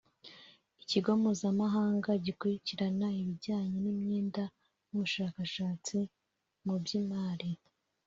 Ikigo Mpuzamahanga gikurikirana ibijyanye n’imyenda n’ubushakashatsi mu by’imari